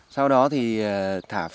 sau đó thì mình phải đánh rạch